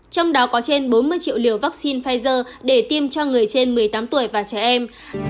trong đó có trên bốn mươi triệu liều vaccine pfizer để tiêm cho người trên một mươi tám tuổi và trẻ em